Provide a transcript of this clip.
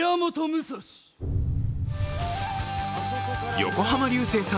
横浜流星さん